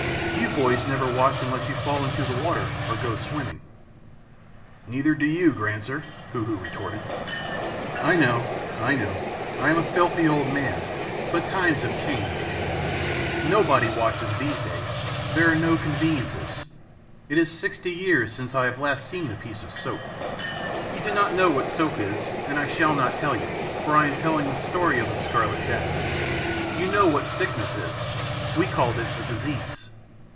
You boys never wash unless you fall into the water or go swimming." "Neither do you Granzer," Hoo Hoo retorted. "I know, I know, I am a filthy old man, but times have changed. Nobody washes these days, there are no conveniences. It is sixty years since I have seen a piece of soap. [Illustration: Sixty years since I have seen a piece of soap. 059] "You do not know what soap is, and I shall not tell you, for I am telling the story of the Scarlet Death. You know what sickness is. We called it a disease.